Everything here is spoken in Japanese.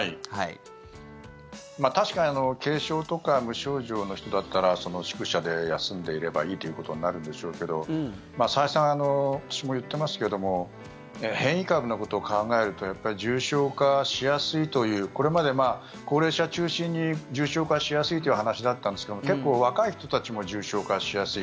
確かに軽症とか無症状の人だったら宿舎で休んでればいいということになるんでしょうけど再三、私も言ってますけど変異株のことを考えるとやっぱり重症化しやすいというこれまで高齢者中心に重症化しやすいという話だったんですけど結構、若い人たちも重症化しやすい。